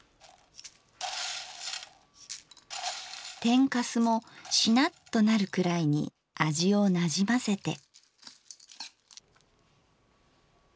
天かすもシナッとなるくらいに味をなじませて。